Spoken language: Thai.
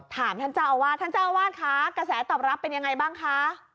ท่านเจ้าอาวาสท่านเจ้าอาวาสคะกระแสตอบรับเป็นยังไงบ้างคะ